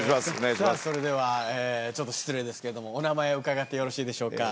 さぁそれでは失礼ですけどお名前を伺ってよろしいでしょうか？